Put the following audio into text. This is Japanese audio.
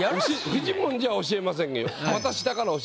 フジモンじゃ教えませんよ。